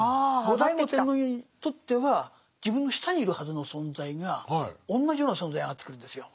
後醍醐天皇にとっては自分の下にいるはずの存在がおんなじような存在に上がってくるんですよ。